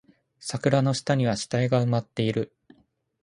桜の下には死体が埋まっている